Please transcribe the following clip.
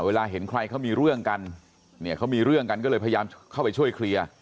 เห็นใครเขามีเรื่องกันเนี่ยเขามีเรื่องกันก็เลยพยายามเข้าไปช่วยเคลียร์